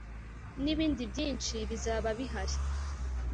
nibindi byinshi bizaba bihari